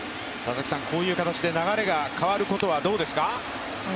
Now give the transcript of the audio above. こういう形で流れが変わることはどうですか？